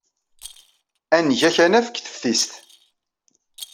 Ad neg akanaf deg teftist.